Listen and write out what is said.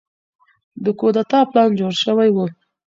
د کودتا پلان جوړ شوی و.